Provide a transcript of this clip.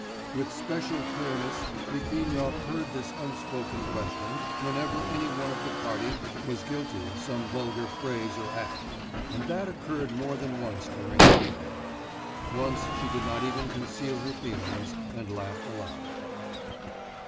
With special clearness Litvinov heard this unspoken question whenever any one of the party was guilty of some vulgar phrase or act, and that occurred more than once during the evening. Once she did not even conceal her feelings, and laughed aloud.